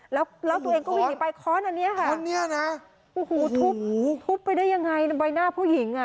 แล้วตัวเองก็วิ่งหนีไปค้อนอันนี้ค่ะคนนี้นะโอ้โหทุบทุบไปได้ยังไงในใบหน้าผู้หญิงอ่ะ